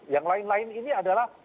yang lain lain ini adalah